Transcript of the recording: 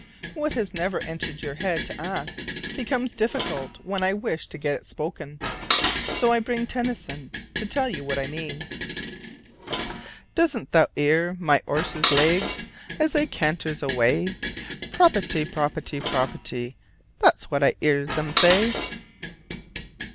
What has never entered your head to ask becomes difficult when I wish to get it spoken. So I bring Tennyson to tell you what I mean: "Dosn't thou 'ear my 'erse's legs, as they canters awaäy? Proputty, proputty, proputty that's what I 'ears 'em saäy."